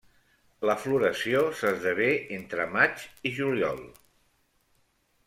La floració s'esdevé entre maig i juliol.